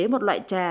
để chế một loại trà